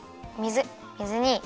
水水に。